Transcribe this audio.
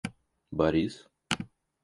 Борис